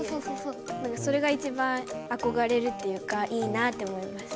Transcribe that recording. なんかそれが一番あこがれるっていうかいいなって思います。